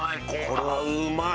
これはうまい！